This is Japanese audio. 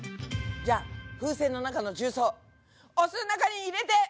じゃあ風船の中の重曹をお酢の中に入れて！